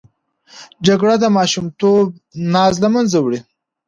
جګړه د ماشومتوب ناز له منځه وړي